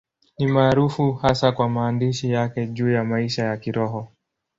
Ni maarufu hasa kwa maandishi yake juu ya maisha ya Kiroho.